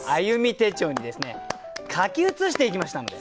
手帳にですね書き写していきましたので。